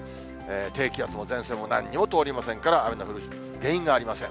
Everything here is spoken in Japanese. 低気圧も前線もなんにも通りませんから、雨の降る原因がありません。